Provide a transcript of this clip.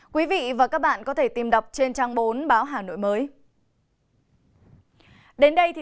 quý vị và các bạn có thể tìm đọc trên trang bốn báo hà nội mới